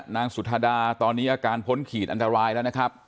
นางสุธาดาตอนนี้อาการพ้นขีดอันตรายแล้วนะครับ